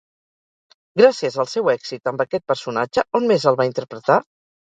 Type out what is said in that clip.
Gràcies al seu èxit amb aquest personatge, on més el va interpretar?